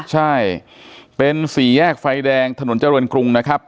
ใช่เป็นสี่แยกไฟแดงถนนเจริญกรุงนะครับ